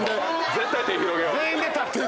絶対手広げよう。